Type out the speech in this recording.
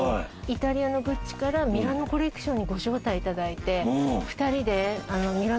イタリアのＧＵＣＣＩからミラノコレクションにご招待いただいて。